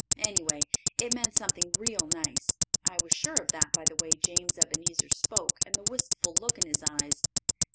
Anyway, it meant something real nice; I was sure of that by the way James Ebenezer spoke and the wistful look in his eyes.